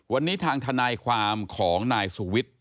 วันนี้ทางทนายความของนายสุวิทย์